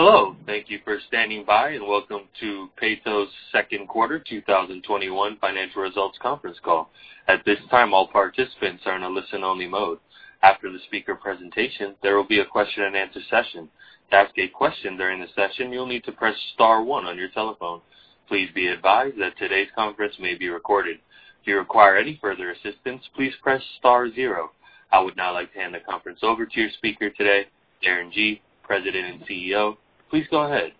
I would now like to hand the conference over to your speaker today, Darren Gee, President and CEO. Please go ahead.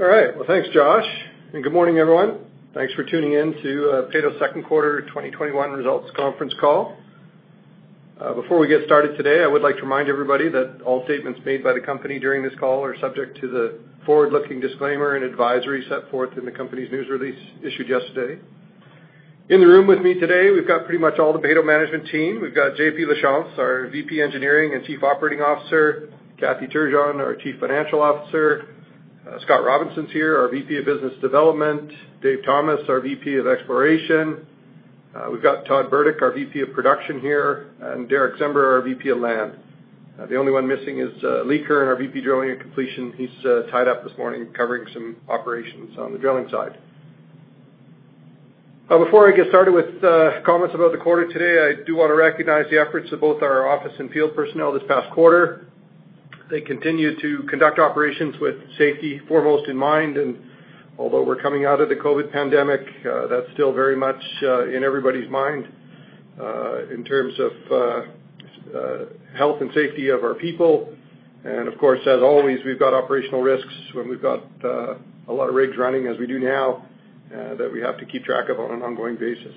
All right. Well, thanks Josh. Good morning everyone. Thanks for tuning in to Peyto's Q2 2021 results conference call. Before we get started today, I would like to remind everybody that all statements made by the company during this call are subject to the forward-looking disclaimer and advisory set forth in the company's news release issued yesterday. In the room with me today, we've got pretty much all the Peyto management team. We've got JP Lachance, our VP of Engineering and Chief Operating Officer, Kathy Turgeon, our Chief Financial Officer, Scott Robinson's here, our VP of Business Development, Dave Thomas, our VP of Exploration. We've got Todd Burdick, our VP of Production here, and Derick Czember, our VP of Land. The only one missing is Lee Curran, our VP of Drilling and Completions. He's tied up this morning covering some operations on the drilling side. Before I get started with comments about the quarter today, I do want to recognize the efforts of both our office and field personnel this past quarter. They continue to conduct operations with safety foremost in mind, although we're coming out of the COVID pandemic, that's still very much in everybody's mind, in terms of health and safety of our people. Of course, as always, we've got operational risks when we've got a lot of rigs running as we do now, that we have to keep track of on an ongoing basis.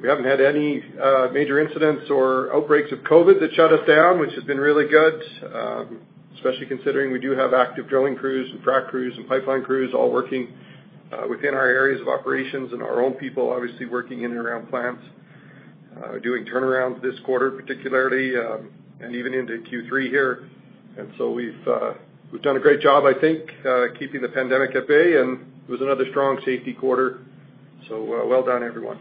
We haven't had any major incidents or outbreaks of COVID that shut us down, which has been really good, especially considering we do have active drilling crews and frac crews and pipeline crews all working within our areas of operations and our own people obviously working in and around plants, doing turnarounds this quarter, particularly, and even into Q3 here. We've done a great job, I think, keeping the pandemic at bay, and it was another strong safety quarter. Well done everyone.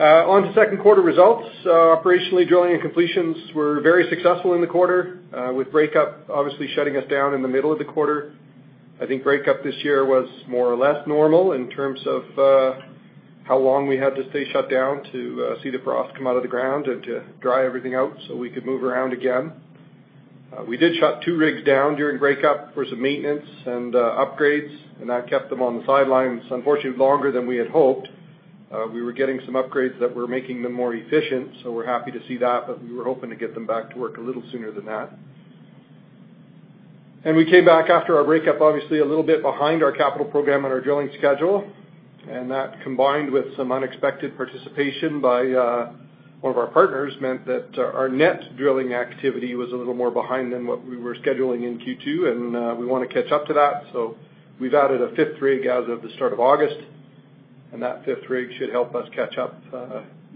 On to second quarter results. Operationally, drilling and completions were very successful in the quarter, with breakup obviously shutting us down in the middle of the quarter. I think breakup this year was more or less normal in terms of how long we had to stay shut down to see the frost come out of the ground and to dry everything out so we could move around again. We did shut two rigs down during breakup for some maintenance and upgrades. That kept them on the sidelines, unfortunately, longer than we had hoped. We were getting some upgrades that were making them more efficient, so we're happy to see that, but we were hoping to get them back to work a little sooner than that. We came back after our breakup, obviously a little bit behind our capital program and our drilling schedule. That, combined with some unexpected participation by one of our partners, meant that our net drilling activity was a little more behind than what we were scheduling in Q2, and we want to catch up to that, so we've added a fifth rig as of the start of August. That fifth rig should help us catch up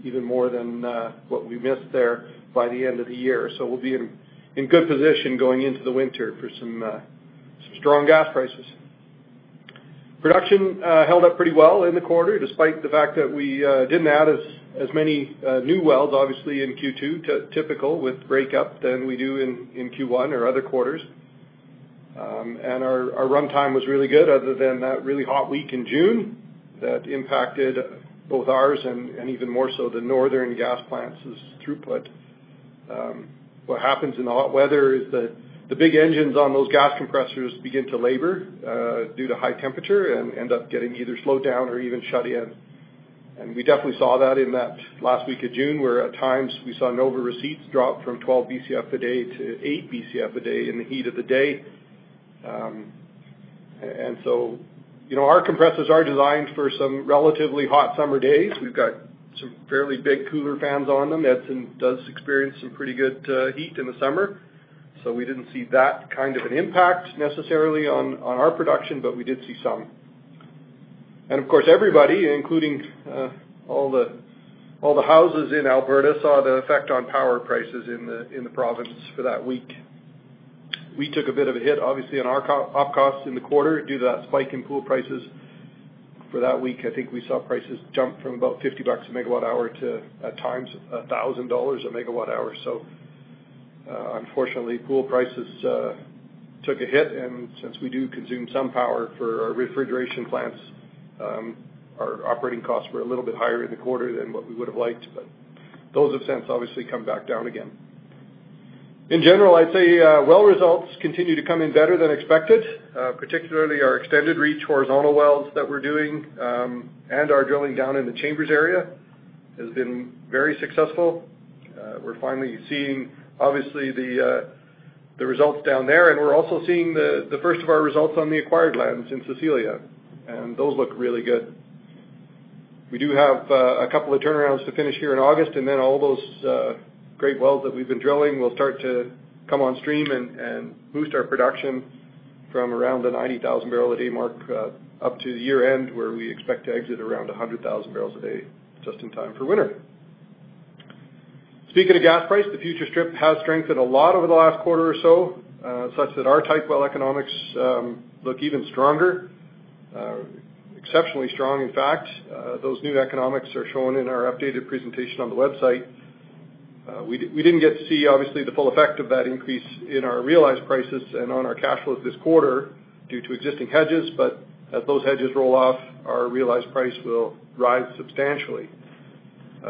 even more than what we missed there by the end of the year. We'll be in good position going into the winter for some strong gas prices. Production held up pretty well in the quarter, despite the fact that we didn't add as many new wells, obviously, in Q2, typical with breakup, than we do in Q1 or other quarters. Our runtime was really good, other than that really hot week in June that impacted both ours and even more so the northern gas plants' throughput. What happens in the hot weather is that the big engines on those gas compressors begin to labor, due to high temperature, and end up getting either slowed down or even shut in. We definitely saw that in that last week of June, where at times we saw NOVA receipts drop from 12 Bcf a day to 8 Bcf a day in the heat of the day. Our compressors are designed for some relatively hot summer days. We've got some fairly big cooler fans on them. Edson does experience some pretty good heat in the summer. We didn't see that kind of an impact necessarily on our production, but we did see some. Of course, everybody, including all the houses in Alberta, saw the effect on power prices in the province for that week. We took a bit of a hit, obviously, on our OpEx in the quarter due to that spike in pool prices for that week. I think we saw prices jump from about 50 bucks a megawatt hour to, at times, 1,000 dollars a megawatt hour. Unfortunately, pool prices took a hit, and since we do consume some power for our refrigeration plants, our operating costs were a little bit higher in the quarter than what we would've liked, but those have since obviously come back down again. In general, I'd say well results continue to come in better than expected. Particularly our extended reach horizontal wells that we're doing, and our drilling down in the Chambers area has been very successful. We're finally seeing, obviously, the results down there, and we're also seeing the first of our results on the acquired lands in Cecilia, and those look really good. We do have a couple of turnarounds to finish here in August, and then all those great wells that we've been drilling will start to come on stream and boost our production from around the 90,000 barrels a day mark up to year-end, where we expect to exit around 100,000 barrels a day just in time for winter. Speaking of gas price, the future strip has strengthened a lot over the last quarter or so, such that our type well economics look even stronger. Exceptionally strong, in fact. Those new economics are shown in our updated presentation on the website. We didn't get to see, obviously, the full effect of that increase in our realized prices and on our cash flows this quarter due to existing hedges. As those hedges roll off, our realized price will rise substantially.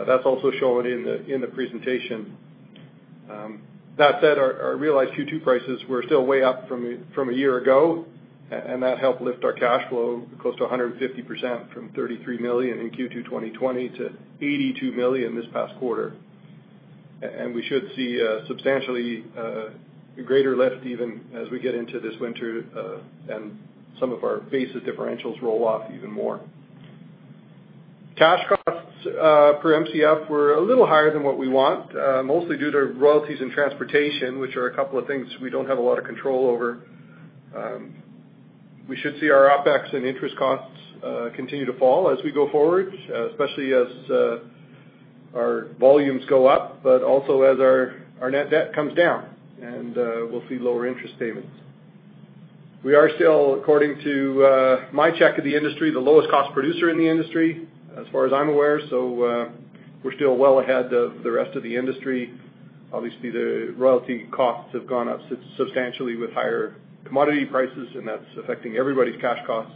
That's also shown in the presentation. That said, our realized Q2 prices were still way up from a year ago. That helped lift our cash flow close to 150% from 33 million in Q2 2020 to 82 million this past quarter. We should see a substantially greater lift even as we get into this winter and some of our basic differentials roll off even more. Cash costs per Mcf were a little higher than what we want, mostly due to royalties and transportation, which are a couple of things we don't have a lot of control over. We should see our OpEx and interest costs continue to fall as we go forward, especially as our volumes go up, but also as our net debt comes down, and we'll see lower interest payments. We are still, according to my check of the industry, the lowest cost producer in the industry as far as I'm aware. We're still well ahead of the rest of the industry. Obviously, the royalty costs have gone up substantially with higher commodity prices, and that's affecting everybody's cash costs.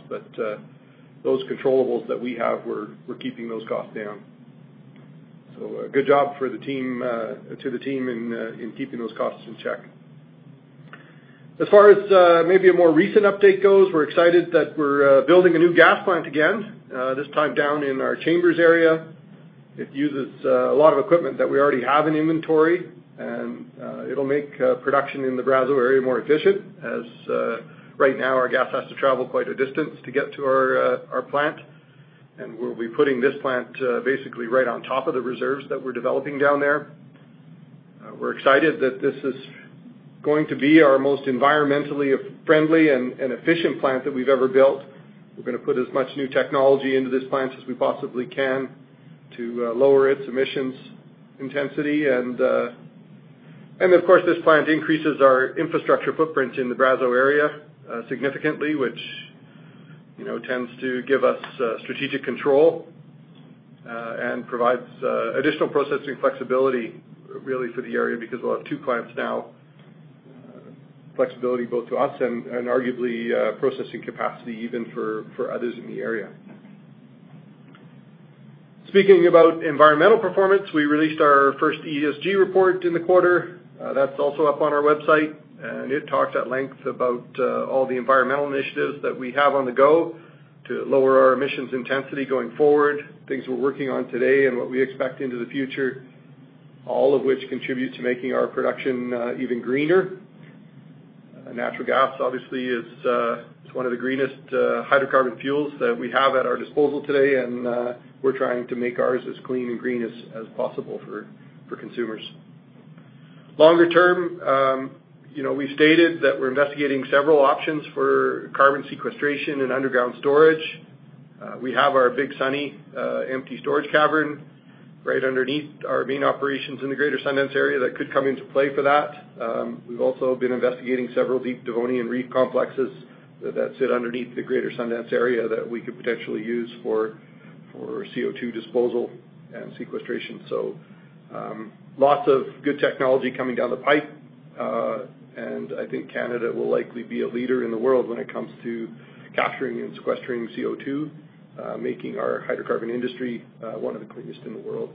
Those controllables that we have, we're keeping those costs down. A good job to the team in keeping those costs in check. As far as maybe a more recent update goes, we're excited that we're building a new gas plant again, this time down in our Chambers area. It uses a lot of equipment that we already have in inventory, and it'll make production in the Brazeau area more efficient, as right now our gas has to travel quite a distance to get to our plant. We'll be putting this plant basically right on top of the reserves that we're developing down there. We're excited that this is going to be our most environmentally friendly and efficient plant that we've ever built. We're going to put as much new technology into this plant as we possibly can to lower its emissions intensity. Of course, this plant increases our infrastructure footprint in the Brazeau area significantly, which tends to give us strategic control and provides additional processing flexibility really for the area because we'll have two plants now. Flexibility both to us and arguably processing capacity even for others in the area. Speaking about environmental performance, we released our first ESG report in the quarter. That's also up on our website, and it talks at length about all the environmental initiatives that we have on the go to lower our emissions intensity going forward, things we're working on today and what we expect into the future, all of which contribute to making our production even greener. Natural gas, obviously, is one of the greenest hydrocarbon fuels that we have at our disposal today, and we're trying to make ours as clean and green as possible for consumers. Longer term, we stated that we're investigating several options for carbon sequestration and underground storage. We have our Big Sunny empty storage cavern right underneath our main operations in the Greater Sundance area that could come into play for that. We've also been investigating several deep Devonian reef complexes that sit underneath the Greater Sundance area that we could potentially use for CO2 disposal and sequestration. Lots of good technology coming down the pipe. I think Canada will likely be a leader in the world when it comes to capturing and sequestering CO2, making our hydrocarbon industry one of the cleanest in the world.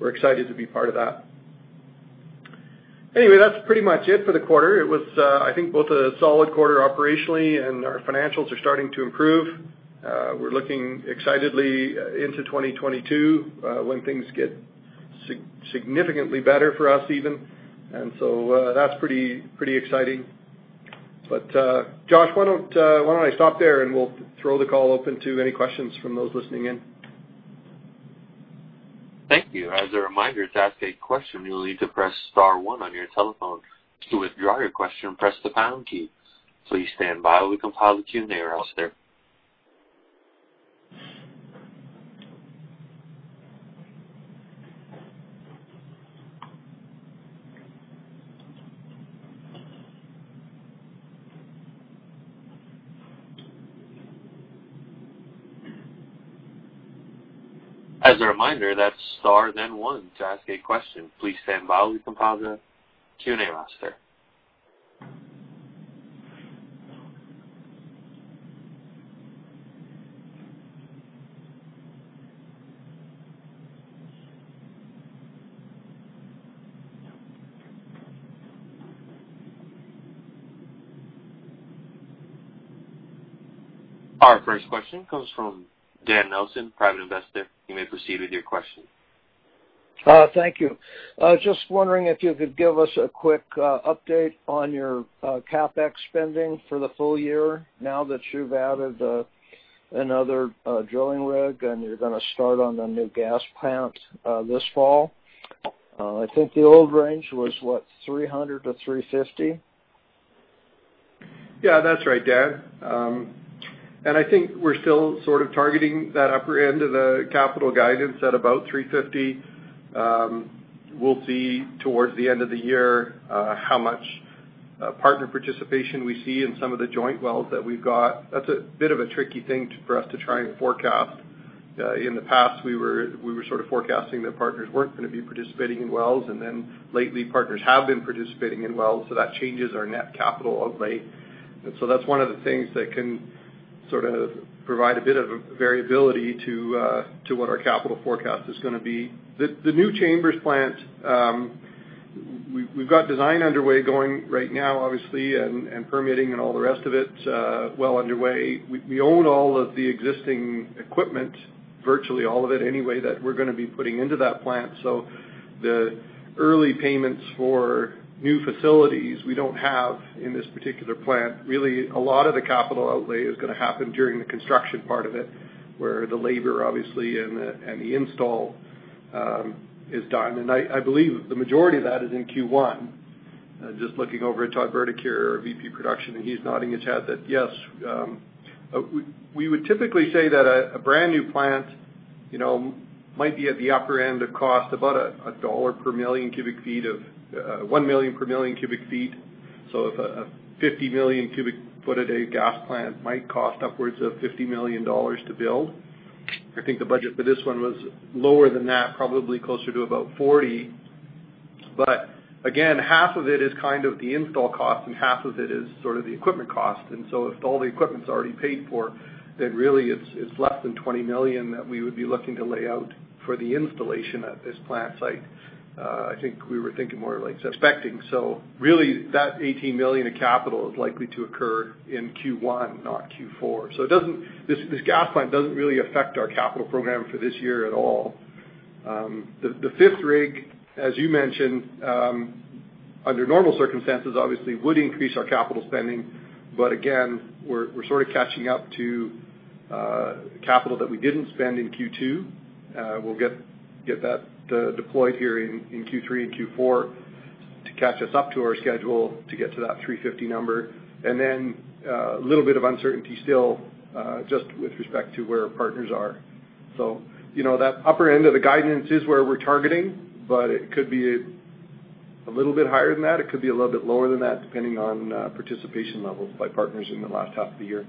We're excited to be part of that. That's pretty much it for the quarter. It was, I think, both a solid quarter operationally and our financials are starting to improve. We're looking excitedly into 2022, when things get significantly better for us even. That's pretty exciting. Josh, why don't I stop there and we'll throw the call open to any questions from those listening in? Thank you. As a reminder, to ask a question, you'll need to press star one on your telephone. To withdraw your question, press the pound key. Please stand by while we compile the Q&A roster. As a reminder, that's star, then one to ask a question. Please stand by while we compile the Q&A roster. Our first question comes from Dan Nelson, Private Investor. You may proceed with your question. Thank you. Just wondering if you could give us a quick update on your CapEx spending for the full year now that you've added another drilling rig and you're going to start on the new gas plant this fall. I think the old range was what, 300 million-350 million? Yeah, that's right, Dan. I think we're still sort of targeting that upper end of the capital guidance at about 350. We'll see towards the end of the year how much partner participation we see in some of the joint wells that we've got. That's a bit of a tricky thing for us to try and forecast. In the past, we were sort of forecasting that partners weren't going to be participating in wells, and then lately partners have been participating in wells, so that changes our net capital outlay. That's one of the things that can sort of provide a bit of variability to what our capital forecast is going to be. The new Chambers plant, we've got design underway going right now, obviously, and permitting and all the rest of it well underway. We own all of the existing equipment, virtually all of it anyway, that we're going to be putting into that plant. The early payments for new facilities we don't have in this particular plant. Really, a lot of the capital outlay is going to happen during the construction part of it, where the labor, obviously, and the install is done. I believe the majority of that is in Q1. Just looking over at Todd Burdick, our VP of Production, and he's nodding his head that, yes. We would typically say that a brand-new plant might be at the upper end of cost, about 1 million per million cubic feet. If a 50 million cubic feet a day gas plant might cost upwards of 50 million dollars to build, I think the budget for this one was lower than that, probably closer to about 40 million. Again, half of it is kind of the install cost and half of it is sort of the equipment cost. If all the equipment's already paid for, then really it's less than 20 million that we would be looking to lay out for the installation at this plant site. I think we were thinking more like expecting. Really that 18 million of capital is likely to occur in Q1, not Q4. This gas plant doesn't really affect our capital program for this year at all. The fifth rig, as you mentioned, under normal circumstances, obviously would increase our capital spending. Again, we're sort of catching up to capital that we didn't spend in Q2. We'll get that deployed here in Q3 and Q4 to catch us up to our schedule to get to that 350 number. A little bit of uncertainty still, just with respect to where our partners are. That upper end of the guidance is where we're targeting, but it could be a little bit higher than that, it could be a little bit lower than that, depending on participation levels by partners in the last half of the year.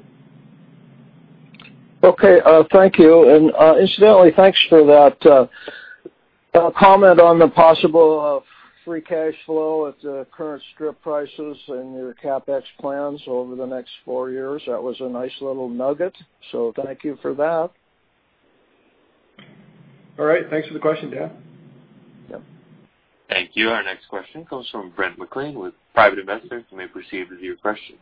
Okay, thank you. Incidentally, thanks for that comment on the possible free cash flow at the current strip prices and your CapEx plans over the next four years. That was a nice little nugget. Thank you for that. All right. Thanks for the question, Dan. Yep. Thank you. Our next question comes from Brent McLean with Private Investor. You may proceed with your question.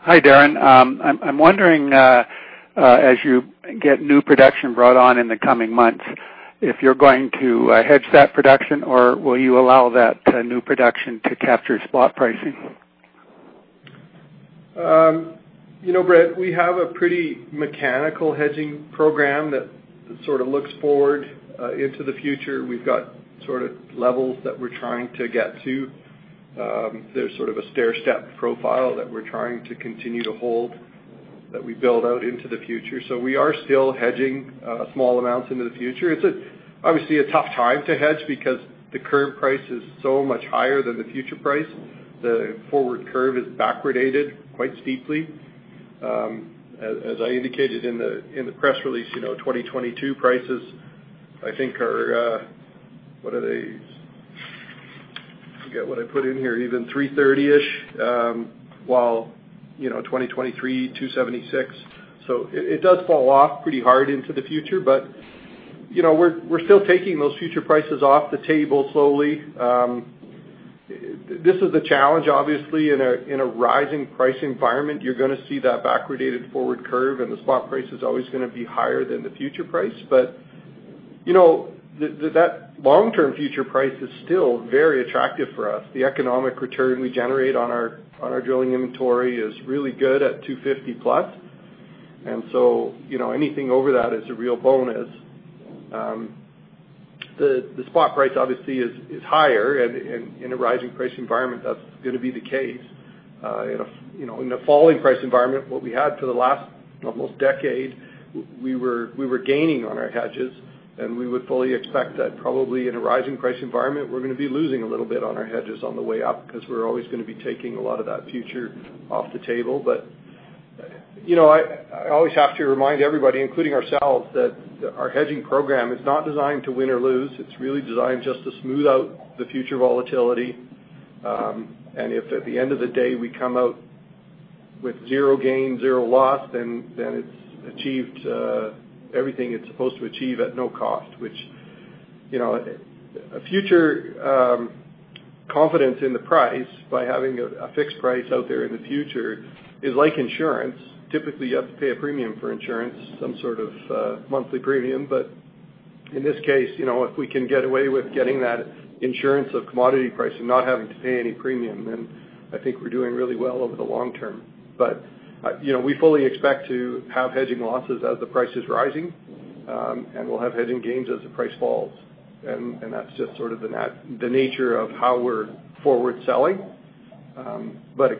Hi, Darren, I'm wondering as you get new production brought on in the coming months, if you're going to hedge that production or will you allow that new production to capture spot pricing? Brent, we have a pretty mechanical hedging program that sort of looks forward into the future. We've got sort of levels that we're trying to get to. There's sort of a stairstep profile that we're trying to continue to hold, that we build out into the future. We are still hedging small amounts into the future. It's obviously a tough time to hedge because the current price is so much higher than the future price. The forward curve is backwardated quite steeply. As I indicated in the press release, 2022 prices, I think are What are they? I forget what I put in here. Even 3.30-ish, while 2023, 2.76. It does fall off pretty hard into the future, but we're still taking those future prices off the table slowly. This is the challenge, obviously, in a rising price environment, you're going to see that backwardated strip and the spot price is always going to be higher than the future price. That long-term future price is still very attractive for us. The economic return we generate on our drilling inventory is really good at 250+. Anything over that is a real bonus. The spot price obviously is higher, and in a rising price environment, that's going to be the case. In a falling price environment, what we had for the last almost decade, we were gaining on our hedges, and we would fully expect that probably in a rising price environment, we're going to be losing a little bit on our hedges on the way up, because we're always going to be taking a lot of that future off the table. I always have to remind everybody, including ourselves, that our hedging program is not designed to win or lose. It's really designed just to smooth out the future volatility. If at the end of the day, we come out with zero gain, zero loss, then it's achieved everything it's supposed to achieve at no cost, which a future confidence in the price by having a fixed price out there in the future is like insurance. Typically, you have to pay a premium for insurance, some sort of monthly premium. In this case, if we can get away with getting that insurance of commodity pricing, not having to pay any premium, then I think we're doing really well over the long term. We fully expect to have hedging losses as the price is rising, and we'll have hedging gains as the price falls. That's just sort of the nature of how we're forward selling. But as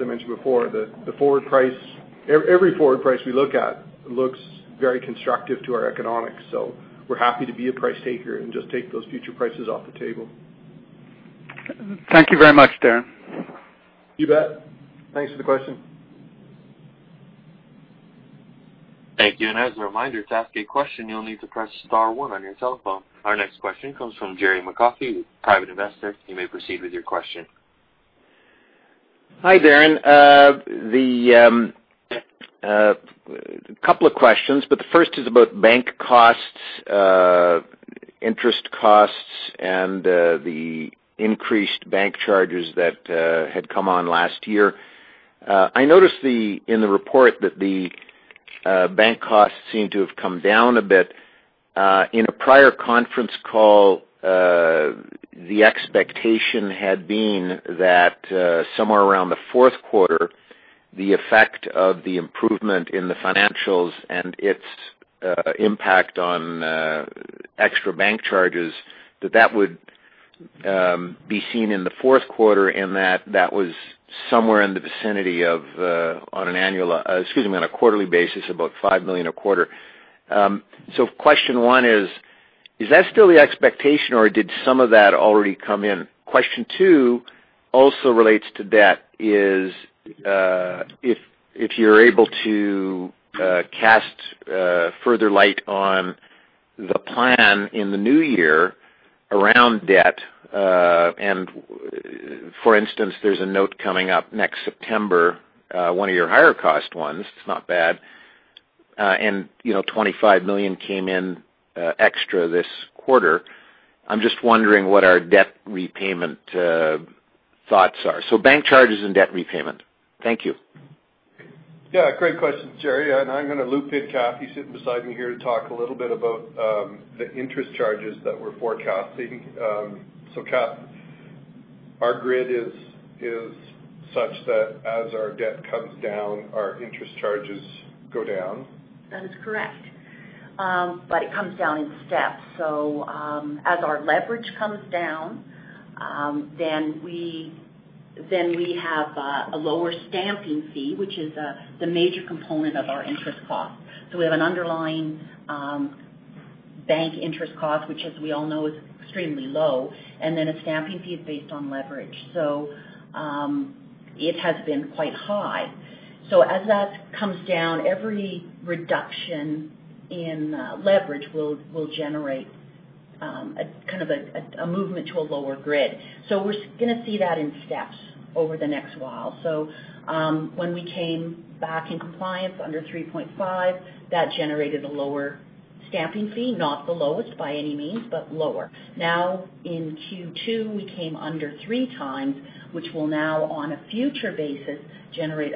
I mentioned before, every forward price we look at looks very constructive to our economics. We're happy to be a price taker and just take those future prices off the table. Thank you very much, Darren. You bet. Thanks for the question. Thank you. As a reminder, to ask a question, you'll need to press star one on your telephone. Our next question comes from Jerry McCaughey with Private Investor. You may proceed with your question. Hi, Darren. A couple of questions, but the first is about bank costs, interest costs, and the increased bank charges that had come on last year. I noticed in the report that the bank costs seem to have come down a bit. In a prior conference call, the expectation had been that somewhere around the fourth quarter, the effect of the improvement in the financials and its impact on extra bank charges, that that would be seen in the fourth quarter, and that was somewhere in the vicinity of, on a quarterly basis, about 5 million a quarter. Question one is: Is that still the expectation, or did some of that already come in? Question two also relates to debt is, if you're able to cast further light on the plan in the new year around debt. For instance, there's a note coming up next September, one of your higher cost ones, it's not bad, and 25 million came in extra this quarter. I'm just wondering what our debt repayment thoughts are. Bank charges and debt repayment. Thank you. Yeah, great question, Jerry, and I'm going to loop in Kathy sitting beside me here to talk a little bit about the interest charges that we're forecasting. Kath, our grid is such that as our debt comes down, our interest charges go down? That is correct. It comes down in steps. As our leverage comes down, then we have a lower stamping fee, which is the major component of our interest cost. We have an underlying bank interest cost, which as we all know, is extremely low, and then a stamping fee is based on leverage. It has been quite high. As that comes down, every reduction in leverage will generate a movement to a lower grid. We're going to see that in steps over the next while. When we came back in compliance under 3.5, that generated a lower stamping fee, not the lowest by any means, but lower. Now in Q2, we came under three times, which will now on a future basis generate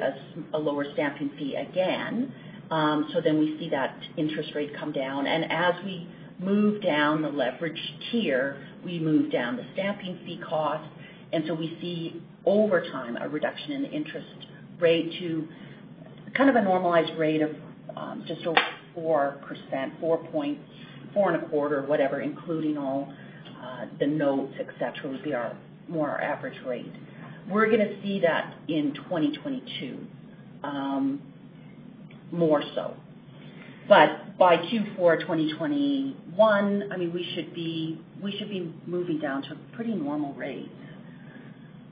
a lower stamping fee again. We see that interest rate come down, and as we move down the leverage tier, we move down the stamping fee cost. We see over time a reduction in interest rate to a normalized rate of just over 4%, 4.25%, whatever, including all the notes, et cetera, would be our more average rate. We're going to see that in 2022, more so. By Q4 2021, we should be moving down to pretty normal rates.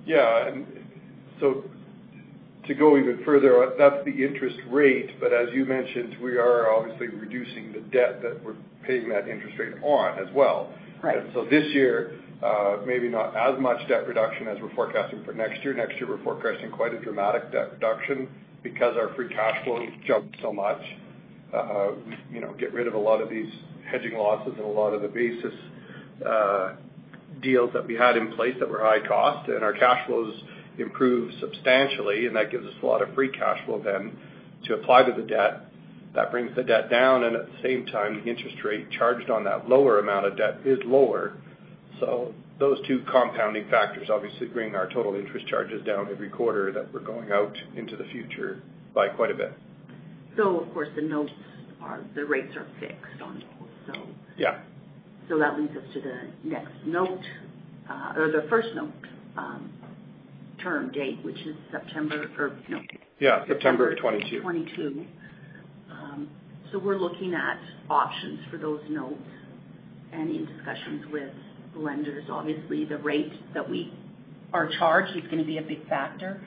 Yeah. To go even further, that's the interest rate, but as you mentioned, we are obviously reducing the debt that we're paying that interest rate on as well. Right. This year, maybe not as much debt reduction as we're forecasting for next year. Next year, we're forecasting quite a dramatic debt reduction because our free cash flow has jumped so much. We get rid of a lot of these hedging losses and a lot of the basis deals that we had in place that were high cost, and our cash flows improve substantially, and that gives us a lot of free cash flow then to apply to the debt. That brings the debt down, and at the same time, the interest rate charged on that lower amount of debt is lower. Those two compounding factors obviously bring our total interest charges down every quarter that we're going out into the future by quite a bit. Of course, the rates are fixed on those. Yeah. That leads us to the next note, or the first note term date, which is September. Yeah, September 22. We're looking at options for those notes and in discussions with lenders. Obviously, the rate that we are charged is going to be a big factor.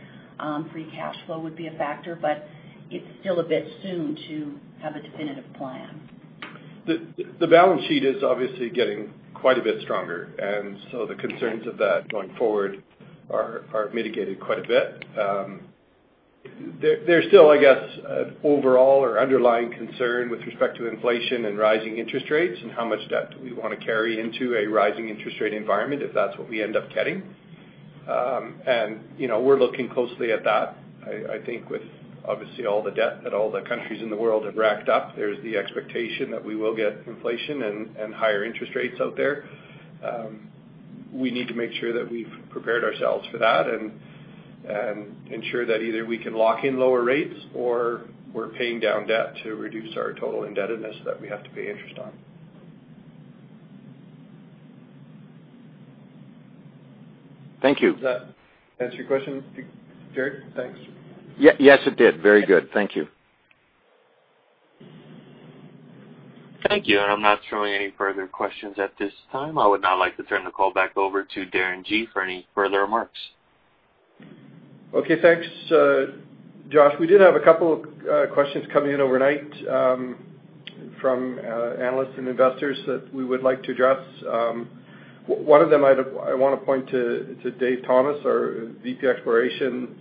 Free cash flow would be a factor, but it's still a bit soon to have a definitive plan. The balance sheet is obviously getting quite a bit stronger, and so the concerns of that going forward are mitigated quite a bit. There's still, I guess, an overall or underlying concern with respect to inflation and rising interest rates and how much debt we want to carry into a rising interest rate environment, if that's what we end up getting. We're looking closely at that. I think with obviously all the debt that all the countries in the world have racked up, there's the expectation that we will get inflation and higher interest rates out there. We need to make sure that we've prepared ourselves for that and ensure that either we can lock in lower rates or we're paying down debt to reduce our total indebtedness that we have to pay interest on. Thank you. Does that answer your question, Jerry? Thanks. Yes, it did. Very good. Thank you. Thank you. I'm not showing any further questions at this time. I would now like to turn the call back over to Darren Gee for any further remarks. Okay, thanks, Josh. We did have a couple of questions come in overnight from analysts and investors that we would like to address. One of them I want to point to Dave Thomas, our VP Exploration.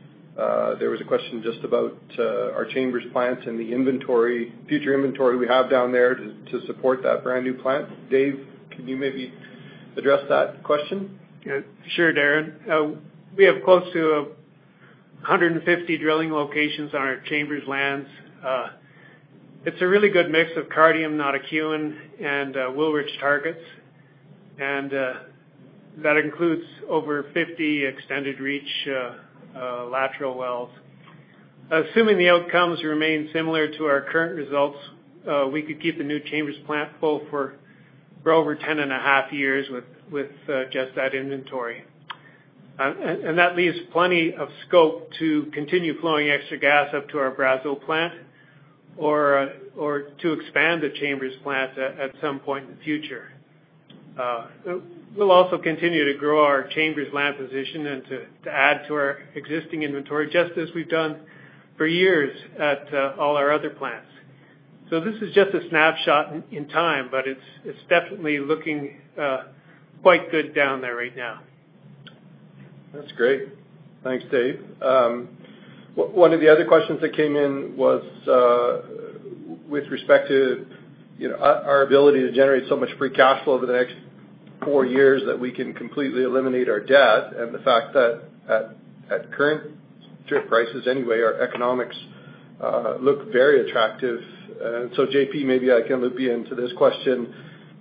There was a question just about our Chambers plants and the future inventory we have down there to support that brand-new plant. Dave, can you maybe address that question? Yeah, sure, Darren. We have close to 150 drilling locations on our Chambers lands. It is a really good mix of Cardium, Notikewin, and Wilrich targets, and that includes over 50 extended reach horizontal wells. Assuming the outcomes remain similar to our current results, we could keep the new Chambers plant full for over 10.5 years with just that inventory. That leaves plenty of scope to continue flowing extra gas up to our Brazeau plant or to expand the Chambers plant at some point in the future. We will also continue to grow our Chambers land position and to add to our existing inventory, just as we have done for years at all our other plants. So this is just a snapshot in time, but it is definitely looking quite good down there right now. That's great. Thanks, Dave. One of the other questions that came in was with respect to our ability to generate so much free cash flow over the next four years that we can completely eliminate our debt, and the fact that at current strip prices anyway, our economics look very attractive. JP, maybe I can loop you into this question.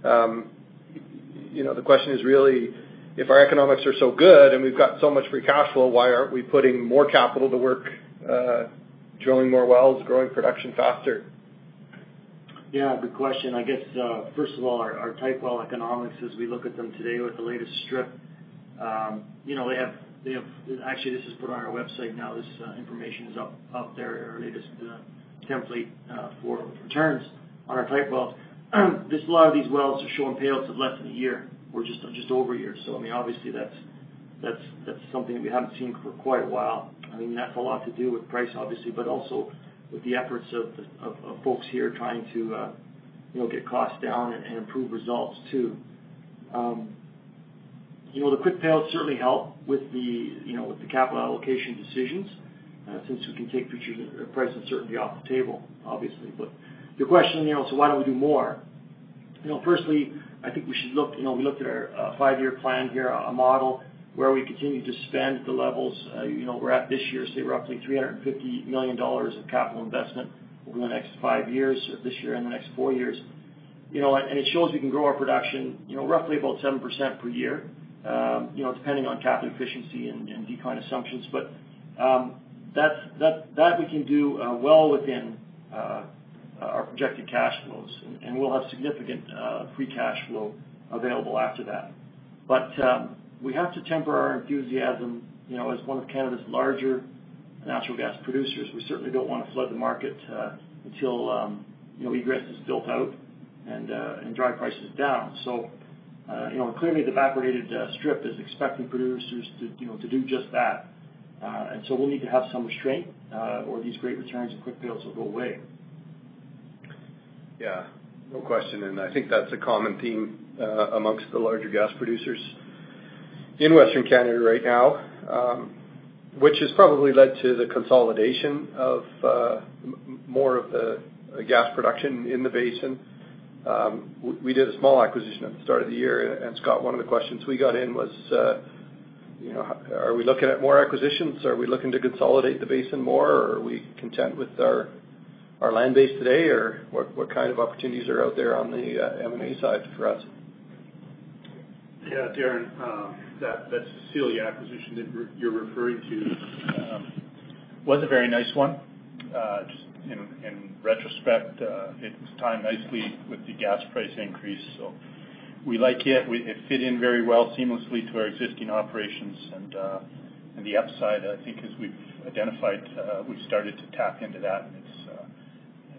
The question is really, if our economics are so good and we've got so much free cash flow, why aren't we putting more capital to work drilling more wells, growing production faster? Yeah, good question. I guess, first of all, our type well economics as we look at them today with the latest strip, actually this is put on our website now. This information is up there, our latest template for returns on our type wells. There is a lot of these wells are showing payouts of less than one year or just over one year. Obviously that is something that we haven't seen for quite a while. That is a lot to do with price, obviously, but also with the efforts of folks here trying to get costs down and improve results, too. The quick payouts certainly help with the capital allocation decisions, since we can take future price uncertainty off the table, obviously. The question, why don't we do more? Firstly, I think we should look at our five-year plan here, a model where we continue to spend at the levels we're at this year, say roughly 350 million dollars of capital investment over the next five years, this year and the next four years. It shows we can grow our production roughly about 7% per year, depending on capital efficiency and decline assumptions. That we can do well within our projected cash flows, and we'll have significant free cash flow available after that. We have to temper our enthusiasm. As one of Canada's larger natural gas producers, we certainly don't want to flood the market until egress is built out and drive prices down. Clearly the backwardated strip is expecting producers to do just that. We'll need to have some restraint or these great returns and quick payouts will go away. Yeah, no question. I think that's a common theme amongst the larger gas producers in Western Canada right now, which has probably led to the consolidation of more of the gas production in the basin. We did a small acquisition at the start of the year, and Scott, one of the questions we got in was, are we looking at more acquisitions? Are we looking to consolidate the basin more, or are we content with our land base today, or what kind of opportunities are out there on the M&A side for us? Yeah, Darren, that Cecilia acquisition that you're referring to was a very nice one. Just in retrospect, it timed nicely with the gas price increase, so we like it. It fit in very well seamlessly to our existing operations, and the upside, I think, as we've identified, we've started to tap into that, and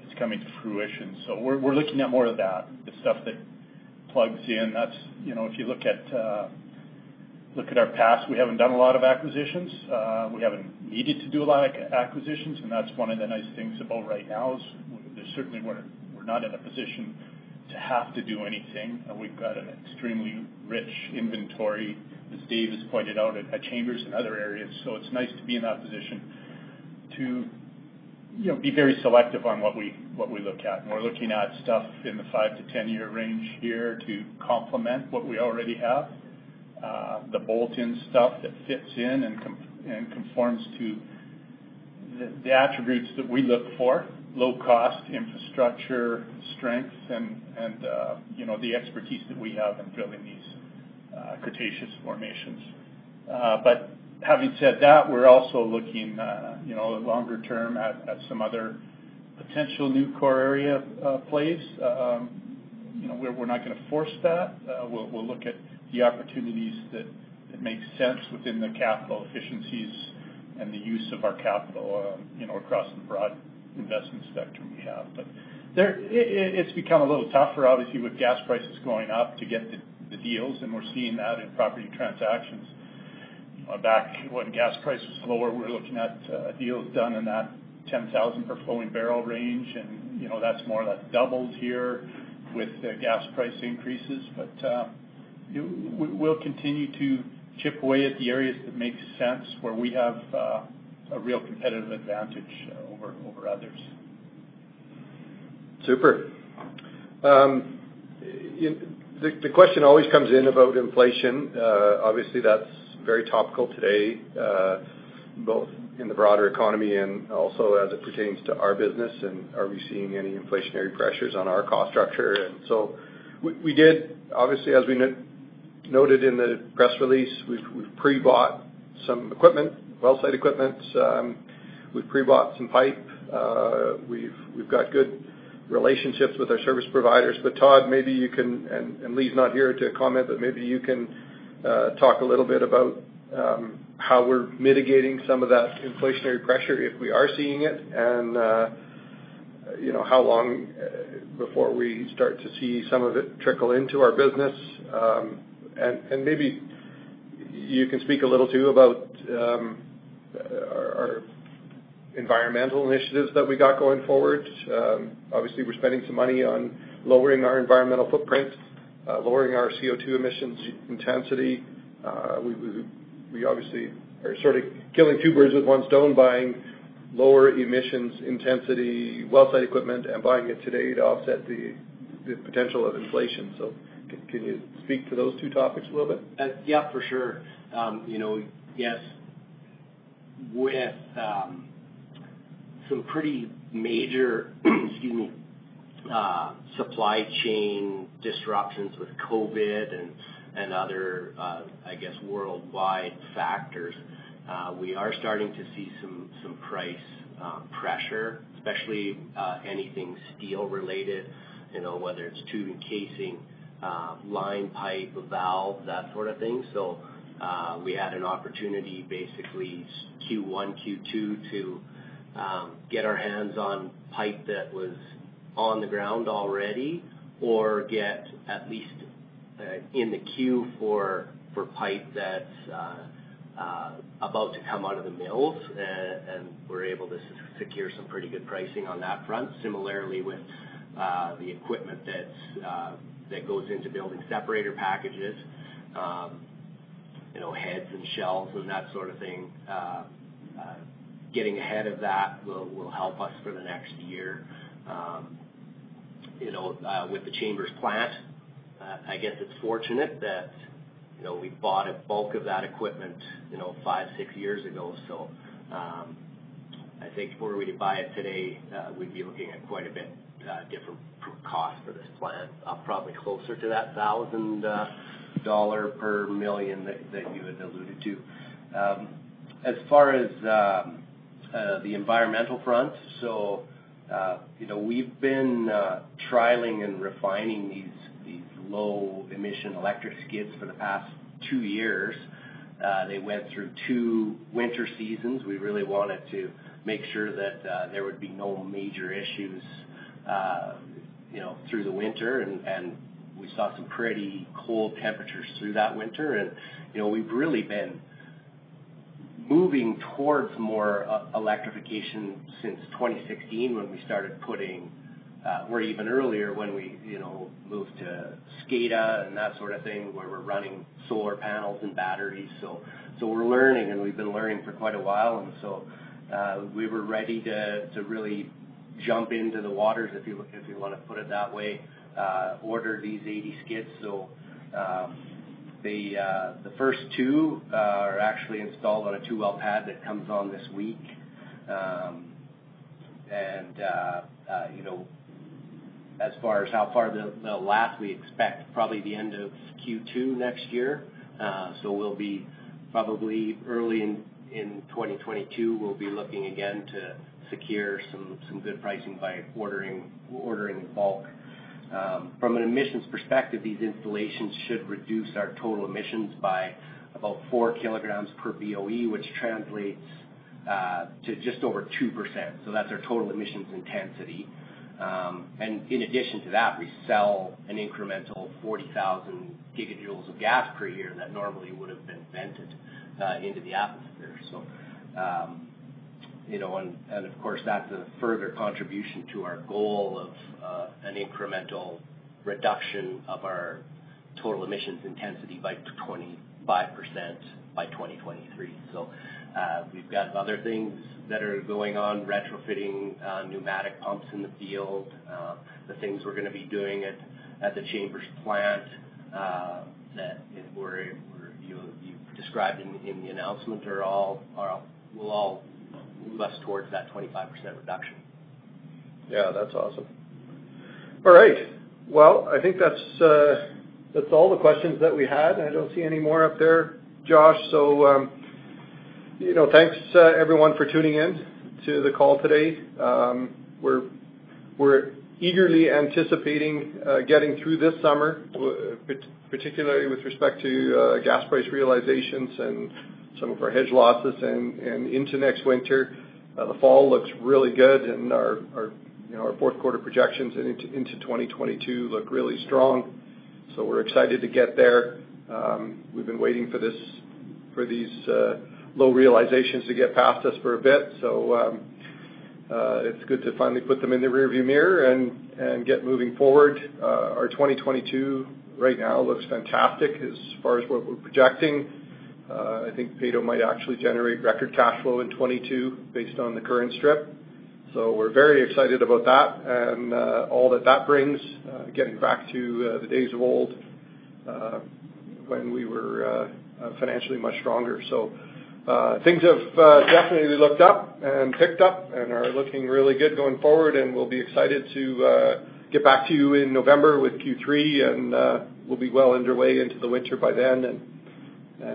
it's coming to fruition. We're looking at more of that, the stuff that plugs in. If you look at our past, we haven't done a lot of acquisitions. We haven't needed to do a lot of acquisitions, and that's one of the nice things about right now is certainly we're not in a position to have to do anything. We've got an extremely rich inventory, as Dave has pointed out, at Chambers and other areas. It's nice to be in that position to be very selective on what we look at, and we're looking at stuff in the five-10 year range here to complement what we already have. The bolt-in stuff that fits in and conforms to the attributes that we look for, low cost, infrastructure, strength, and the expertise that we have in drilling these. Cretaceous formations. Having said that, we're also looking longer term at some other potential new core area plays. We're not going to force that. We'll look at the opportunities that make sense within the capital efficiencies and the use of our capital across the broad investment spectrum we have. It's become a little tougher, obviously, with gas prices going up to get the deals, and we're seeing that in property transactions. Back when gas price was lower, we were looking at deals done in that 10,000 per flowing barrel range, and that's more than doubled here with the gas price increases. We'll continue to chip away at the areas that makes sense, where we have a real competitive advantage over others. Super. The question always comes in about inflation. Obviously, that's very topical today, both in the broader economy and also as it pertains to our business and are we seeing any inflationary pressures on our cost structure. We did, obviously, as we noted in the press release, we've pre-bought some equipment, well site equipment. We've pre-bought some pipe. We've got good relationships with our service providers. Todd, maybe you can and Lee's not here to comment, but maybe you can talk a little bit about how we're mitigating some of that inflationary pressure, if we are seeing it, and how long before we start to see some of it trickle into our business. Maybe you can speak a little, too, about our environmental initiatives that we got going forward. Obviously, we're spending some money on lowering our environmental footprint, lowering our CO2 emissions intensity. We obviously are sort of killing two birds with one stone, buying lower emissions intensity well site equipment and buying it today to offset the potential of inflation. Can you speak to those two topics a little bit? Yeah, for sure. Yes, with some pretty major excuse me, supply chain disruptions with COVID and other, I guess, worldwide factors, we are starting to see some price pressure, especially anything steel related, whether it's tube and casing, line pipe, a valve, that sort of thing. We had an opportunity, basically Q1, Q2, to get our hands on pipe that was on the ground already or get at least in the queue for pipe that's about to come out of the mills. We're able to secure some pretty good pricing on that front. Similarly, with the equipment that goes into building separator packages, heads and shells and that sort of thing, getting ahead of that will help us for the next year. With the Chambers plant, I guess it's fortunate that we bought a bulk of that equipment five, six years ago. I think were we to buy it today, we'd be looking at quite a bit different cost for this plant, probably closer to that 1,000 dollar per million that you had alluded to. As far as the environmental front, we've been trialing and refining these low emission electric skids for the past two years. They went through two winter seasons. We really wanted to make sure that there would be no major issues through the winter, and we saw some pretty cold temperatures through that winter. We've really been moving towards more electrification since 2016 when we started or even earlier when we moved to SCADA and that sort of thing, where we're running solar panels and batteries. We're learning, and we've been learning for quite a while, we were ready to really jump into the waters, if you want to put it that way, order these 80 skids. The first two are actually installed on a two-well pad that comes on this week. As far as how far they'll last, we expect probably the end of Q2 next year. We'll be probably early in 2022, we'll be looking again to secure some good pricing by ordering bulk. From an emissions perspective, these installations should reduce our total emissions by about 4 kg per BOE, which translates to just over 2%. That's our total emissions intensity. In addition to that, we sell an incremental 40,000 gigajoules of gas per year that normally would've been vented into the atmosphere. Of course, that's a further contribution to our goal of an incremental reduction of our total emissions intensity by 25% by 2023. We've got other things that are going on, retrofitting pneumatic pumps in the field, the things we're going to be doing at the Chambers plant that we described in the announcement will all move us towards that 25% reduction. Yeah, that's awesome. All right. Well, I think that's all the questions that we had. I don't see any more up there, Josh. Thanks, everyone, for tuning in to the call today. We're eagerly anticipating getting through this summer, particularly with respect to gas price realizations and some of our hedge losses and into next winter. The fall looks really good and our fourth quarter projections and into 2022 look really strong. We're excited to get there. We've been waiting for these low realizations to get past us for a bit. It's good to finally put them in the rearview mirror and get moving forward. Our 2022 right now looks fantastic as far as what we're projecting. I think Peyto might actually generate record cash flow in 2022 based on the current strip. We're very excited about that and all that that brings, getting back to the days of old when we were financially much stronger. Things have definitely looked up and picked up and are looking really good going forward. We'll be excited to get back to you in November with Q3, and we'll be well underway into the winter by then and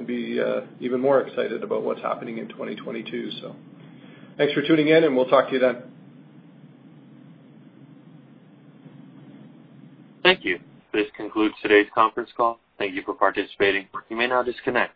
be even more excited about what's happening in 2022. Thanks for tuning in and we'll talk to you then. Thank you. This concludes today's conference call. Thank you for participating. You may now disconnect.